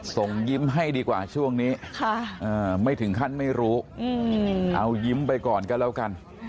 ส่งยิ้มให้ดีกว่าช่วงนี้ไม่ถึงขั้นไม่รู้เอายิ้มไปก่อนก็แล้วกัน